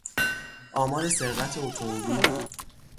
آمار سرقت اتومبیل